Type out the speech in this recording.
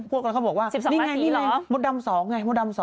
พูดกันเขาบอกว่านี่ไงนี่ไงโมดัม๒ไงโมดัม๒